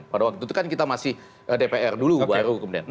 pada waktu itu kan kita masih dpr dulu baru kemudian